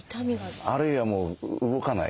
あるいはもう動かない。